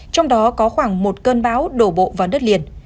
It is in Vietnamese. trong đó có khoảng một cơn bão đổ bộ vào đất liền